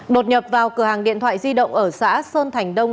đột nhập vào cửa hàng điện thoại di động ở xã sơn thành đông